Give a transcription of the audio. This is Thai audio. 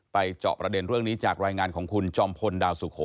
เจาะประเด็นเรื่องนี้จากรายงานของคุณจอมพลดาวสุโข